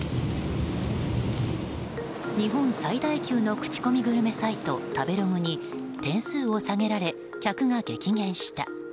日本最大級の口コミグルメサイト、食べログに点数を下げられ、客が激減した。